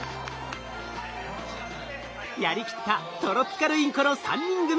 やりきったトロピカルインコの３人組。